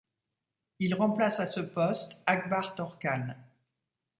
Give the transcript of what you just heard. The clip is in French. Il remplace à ce poste Akbar Torkan.